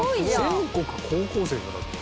「全国高校生」だよだって。